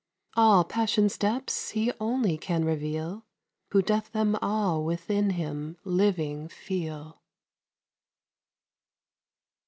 All passions' depths he only can reveal Who doth them all within him living feel.